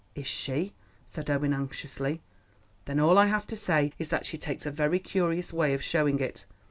"Is she?" said Owen anxiously. "Then all I have to say is that she takes a very curious way of showing it.